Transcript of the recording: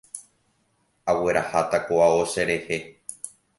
Agueraháta ko ao cherehe.